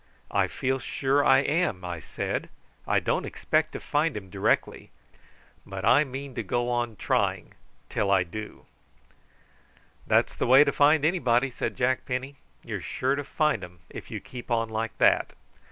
"I feel sure I am," I said. "I don't expect to find him directly; but I mean to go on trying till I do." "That's the way to find anybody," said Jack Penny. "You're sure to find 'em if you keep on like that.